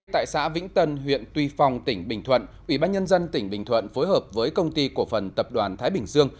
tại xã vĩnh tân huyện tuy phong tỉnh bình thuận ủy ban nhân dân tỉnh bình thuận phối hợp với công ty cổ phần tập đoàn thái bình dương